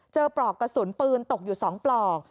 ปลอกกระสุนปืนตกอยู่๒ปลอก